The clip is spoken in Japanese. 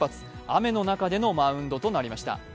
雨の中でのマウンドとなりました。